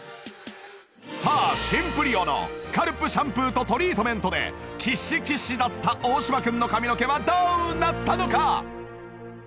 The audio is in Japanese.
さあシンプリオのスカルプシャンプーとトリートメントでキシキシだった大島くんの髪の毛はどうなったのか！？